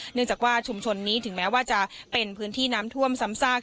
เนื่องจากว่าชุมชนนี้ถึงแม้ว่าจะเป็นพื้นที่น้ำท่วมซ้ำซาก